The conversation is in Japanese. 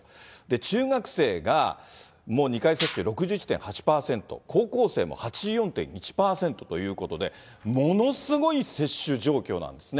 中学生が、もう２回接種６１．８％、高校生も８４．１％ということで、ものすごい接種状況なんですね。